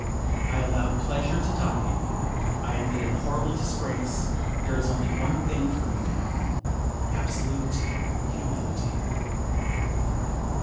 I allowed pleasure to dominate me. I ended in horrible disgrace. There is only one thing for me now, absolute humility.